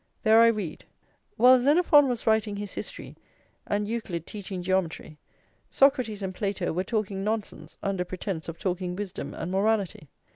There I read: "While Xenophon was writing his history and Euclid teaching geometry, Socrates and Plato were talking nonsense under pretence of talking wisdom and morality.